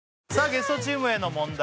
ゲストチームへの問題